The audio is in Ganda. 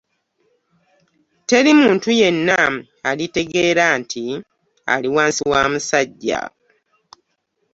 Teri muntu yenna alitegeera nti ali wansi wa musajja.